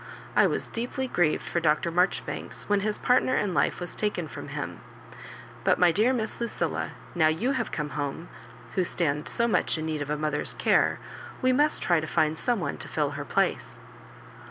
I was deeply grieved for Dr. Marjoribstfiks when his partner in life was taken from him ; but my dear Miss Lucilla, now you have come home, who stand so much in need of a mother's care, we must try to find some one to fill her place."